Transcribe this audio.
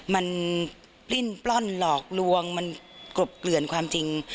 มันปลิ้นปล้นหลอกลวงมันกลบเกลื่อนความจริง